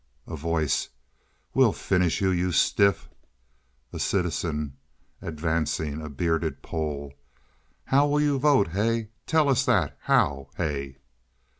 A Voice. "We'll finish you, you stiff!" A Citizen (advancing; a bearded Pole). "How will you vote, hey? Tell us that! How? Hey?"